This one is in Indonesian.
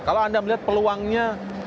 kalau anda melihat peluangnya